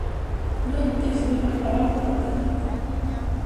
No he entès ni una paraula del que ha dit.